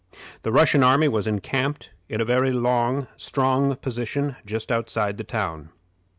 The Russian army was encamped in a very strong position just outside the town.